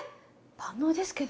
万能ですけど。